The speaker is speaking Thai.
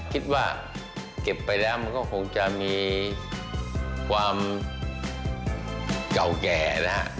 คิดว่าเก็บไปแล้วมันก็คงจะมีความเก่าแก่นะฮะ